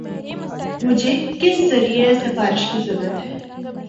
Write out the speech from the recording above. مجھے کس ذریعہ یا سفارش کی ضرورت ہے